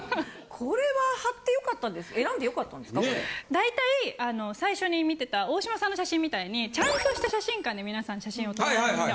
大体最初に見てた大島さんの写真みたいにちゃんとした写真館で皆さん写真を撮られるんですよ。